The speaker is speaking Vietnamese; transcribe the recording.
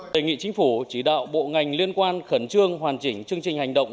đề nghị chính phủ chỉ đạo bộ ngành liên quan khẩn trương hoàn chỉnh chương trình hành động